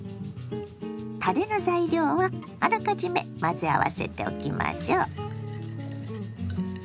たれの材料はあらかじめ混ぜ合わせておきましょ。